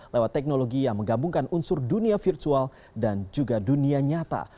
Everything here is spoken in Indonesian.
lewat teknologi yang menggabungkan unsur dunia virtual dan juga dunia nyata